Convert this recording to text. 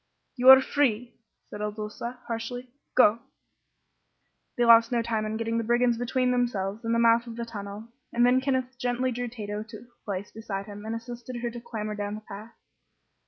"You are free," said Il Duca, harshly. "Go!" They lost no time in getting the brigands between themselves and the mouth of the tunnel, and then Kenneth gently drew Tato to a place beside him and assisted her to clamber down the path.